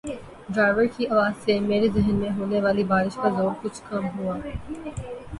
driver کی آواز سے میرے ذہن میں ہونے والی بار ش کا زور کچھ کم ہوا